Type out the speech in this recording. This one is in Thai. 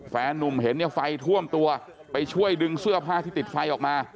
แฟนนุ่มเห็นเนี่ยไฟท่วมตัวไปช่วยดึงเสื้อผ้าที่ติดไฟออกมา